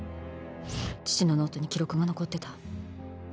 「父のノートに記録が残ってた」